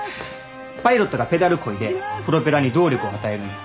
パイロットがペダルこいでプロペラに動力を与えるんや。